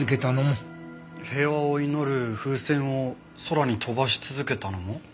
平和を祈る風船を空に飛ばし続けたのも？